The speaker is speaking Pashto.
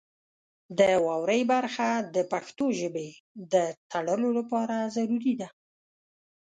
د واورئ برخه د پښتو ژبې د تړلو لپاره ضروري ده.